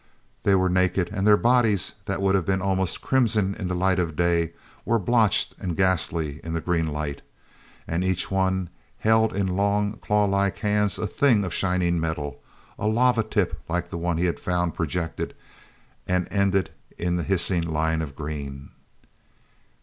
They were naked, and their bodies, that would have been almost crimson in the light of day, were blotched and ghastly in the green light. And each one held in long clawlike hands a thing of shining metal—a lava tip like the one he had found projected and ended in the hissing line of green.